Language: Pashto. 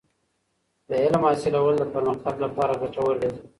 د علم حاصلول د پرمختګ لپاره ګټور دی.